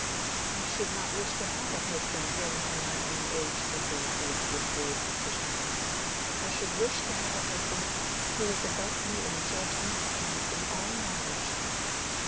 "I should not wish to have a husband very near my own age," said Dorothea, with grave decision. "I should wish to have a husband who was above me in judgment and in all knowledge."